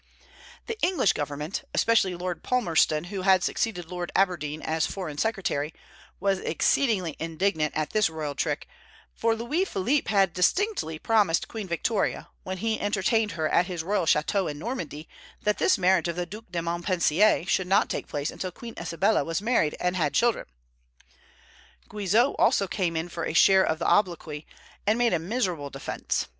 The English government, especially Lord Palmerston, who had succeeded Lord Aberdeen as foreign secretary, was exceedingly indignant at this royal trick; for Louis Philippe had distinctly promised Queen Victoria, when he entertained her at his royal chateau in Normandy, that this marriage of the Duc de Montpensier should not take place until Queen Isabella was married and had children. Guizot also came in for a share of the obloquy, and made a miserable defence.